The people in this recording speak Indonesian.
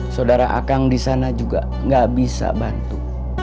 saudara akang di sana juga gak bisa bantu